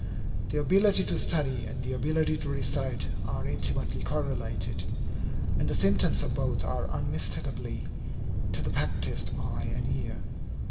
The ability to study and the ability to recite are intimately correlated, and the symptoms of both are unmistakable to the practised eye and ear.